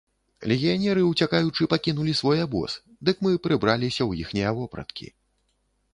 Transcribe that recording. Легіянеры, уцякаючы, пакінулі свой абоз, дык мы прыбраліся ў іхнія вопраткі.